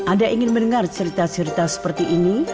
anda ingin mendengar cerita cerita seperti ini